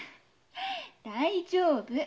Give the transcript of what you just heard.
大丈夫。